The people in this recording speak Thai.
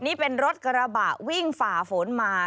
นี่เป็นรถกระบะวิ่งฝ่าฝนมา